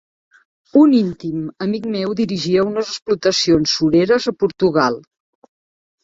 Un íntim amic meu dirigia unes explotacions sureres a Portugal.